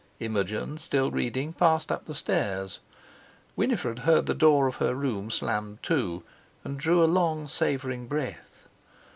Imogen, still reading, passed up the stairs. Winifred heard the door of her room slammed to, and drew a long savouring breath.